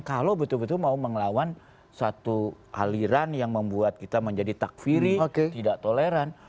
kalau betul betul mau mengelawan satu aliran yang membuat kita menjadi takfiri tidak toleran